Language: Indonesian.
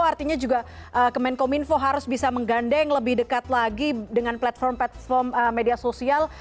artinya juga kemenkominfo harus bisa menggandeng lebih dekat lagi dengan platform platform media sosial